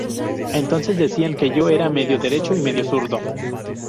Entonces decían que yo era ‘medio derecho’ y ‘medio zurdo’.